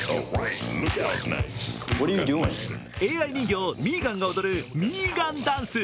ＡＩ人形ミーガンが踊るミーガンダンス。